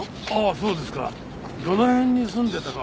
そうですか。